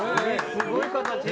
すごい形！